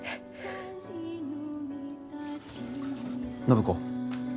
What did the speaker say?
暢子。